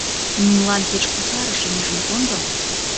Нунылан кеч кусарышым ӱжын кондо!